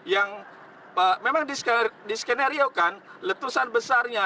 yang memang diskenariokan letusan besarnya